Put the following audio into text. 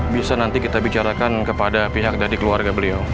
bisa nanti kita bicarakan kepada pihak dari keluarga beliau